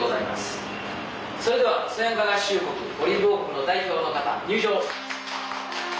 それではそやんか合衆国オリーブ王国の代表の方入場。